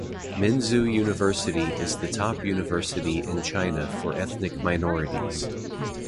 Minzu University is the top university in China for ethnic minorities.